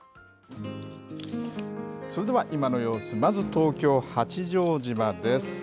それでは今の様子、まず東京・八丈島です。